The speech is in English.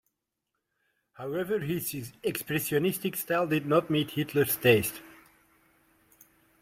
However his expressionistic style did not meet Hitler's taste.